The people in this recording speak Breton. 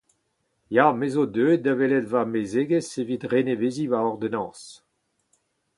Ya, me zo deuet da welet ma mezegez, evit reneveziñ ma ordrenañs.